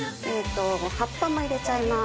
葉っぱも入れちゃいます。